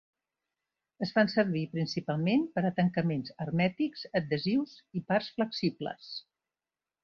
Es fan servir principalment per a tancaments hermètics, adhesius i parts flexibles.